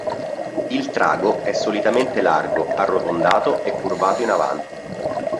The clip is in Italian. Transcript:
Il trago è solitamente largo, arrotondato e curvato in avanti.